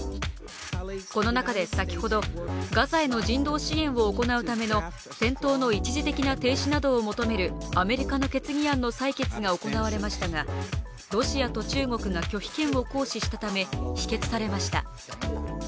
この中で先ほど、ガザへの人道支援を行うための戦闘の一時的な停止などを求めるアメリカの決議案の採決が行われましたがロシアと中国が拒否権を行使したため否決されました。